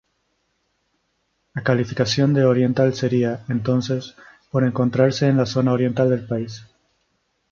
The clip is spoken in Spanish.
La calificación de oriental sería, entonces, por encontrarse en la zona oriental del país.